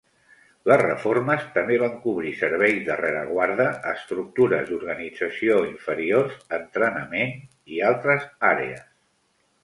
Les reformes també van cobrir serveis de rereguarda, estructures d'organització inferiors, entrenament i altres àrees.